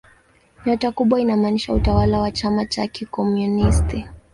Nyota kubwa inamaanisha utawala wa chama cha kikomunisti.